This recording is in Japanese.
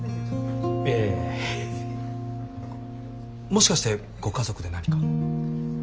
もしかしてご家族で何か？